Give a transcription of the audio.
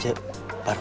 terus ke biasa ya